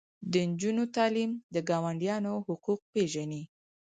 د نجونو تعلیم د ګاونډیانو حقوق پیژني.